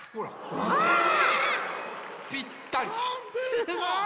すごい。